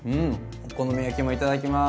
お好み焼きもいただきます！